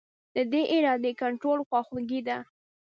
د دې ارادې کنټرول خواخوږي ده.